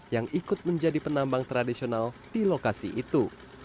yang ikut menjadi penambang tradisional di lokasi itu